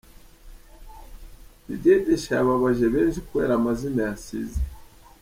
Didier Deschamps yababaje benshi kubera amazina yasize.